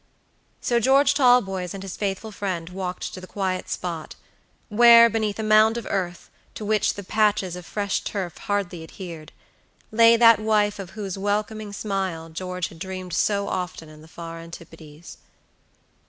So George Talboys and his faithful friend walked to the quiet spot, where, beneath a mound of earth, to which the patches of fresh turf hardly adhered, lay that wife of whose welcoming smile George had dreamed so often in the far antipodes.